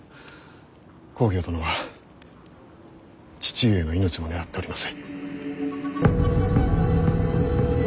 公暁殿は父上の命も狙っております。